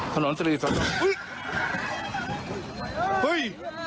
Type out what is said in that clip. ถนนสตรีฮึ้ย